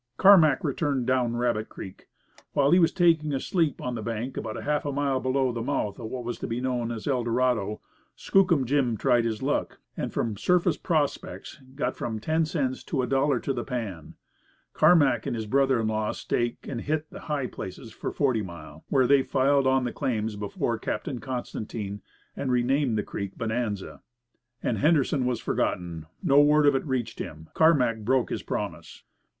Carmack returned down Rabbit Creek. While he was taking a sleep on the bank about half a mile below the mouth of what was to be known as Eldorado, Skookum Jim tried his luck, and from surface prospects got from ten cents to a dollar to the pan. Carmack and his brother in law staked and hit "the high places" for Forty Mile, where they filed on the claims before Captain Constantine, and renamed the creek Bonanza. And Henderson was forgotten. No word of it reached him. Carmack broke his promise.